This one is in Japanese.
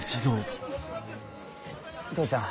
父ちゃん。